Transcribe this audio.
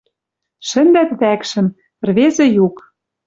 Шӹндӓт вӓкшӹм. Ӹрвезӹ юк.